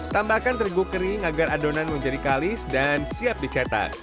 tambahkan tergu kering agar adonan menjadi kalis dan siap dicetak